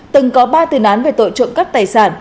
từng có ba tư nán về tội trộm cắt tài sản